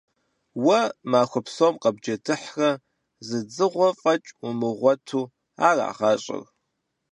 Уэ махуэ псом къэбджэдыхьрэ зы дзыгъуэ фӀэкӀ умыгъуэту, ара гъащӀэр?